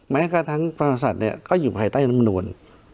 แม้กระทั้งประธานศาสตร์ก็อยู่ภายใต้น้ำนวล